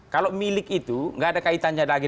kalau milik itu nggak ada kaitannya lagi